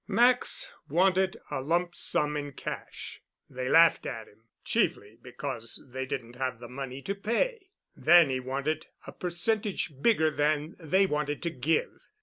Max wanted a lump sum in cash. They laughed at him—chiefly because they didn't have the money to pay. Then he wanted a percentage bigger than they wanted to give.